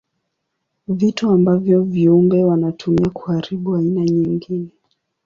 Vitu ambavyo viumbe wanatumia kuharibu aina nyingine.